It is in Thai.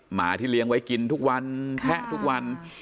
หมาที่เลี้ยงไว้กินทุกวันแพะทุกวัน